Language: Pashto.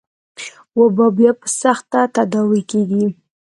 وبا بيا په سخته تداوي کېږي.